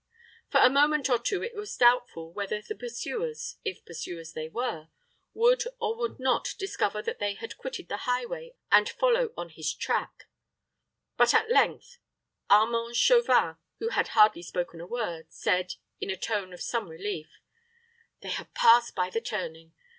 For a moment or two it was doubtful whether the pursuers if pursuers they were would or would not discover that he had quitted the highway and follow on his track; but at length Armand Chauvin, who had hardly spoken a word, said, in a tone of some relief, "They have passed by the turning.